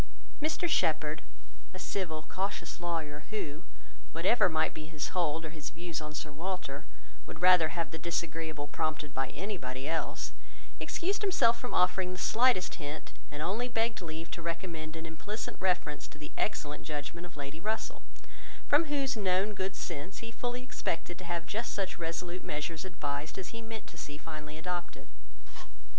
Mr Shepherd, a civil, cautious lawyer, who, whatever might be his hold or his views on Sir Walter, would rather have the disagreeable prompted by anybody else, excused himself from offering the slightest hint, and only begged leave to recommend an implicit reference to the excellent judgement of Lady Russell, from whose known good sense he fully expected to have just such resolute measures advised as he meant to see finally adopted.